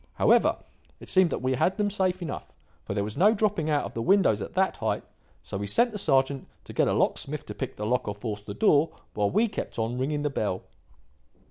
However, it seemed that we had them safe enough, for there was no dropping out of the windows at that height; so we sent the sergeant to get a locksmith to pick the lock or force the door, while we kept on ringing the bell.